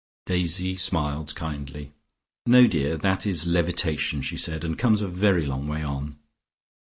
Daisy smiled kindly. "No, dear, that is levitation," she said, "and comes a very long way on."